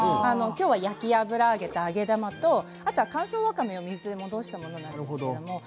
焼き油揚げ、揚げ玉乾燥わかめを水で戻したものを載せてます。